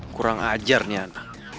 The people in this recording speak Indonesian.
kurang ajar nih anak